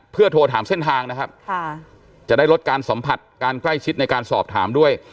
เพื่อโทรถามเส้นทางนะครับจะได้ลดการสัมผัสการใกล้ชิดในการสอบถามด้วย